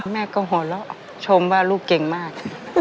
แม่ก็หัวเราะชมว่าลูกเก่งมาก